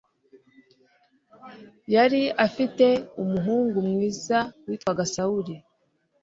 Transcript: yari afite umuhungu mwiza witwaga sawuli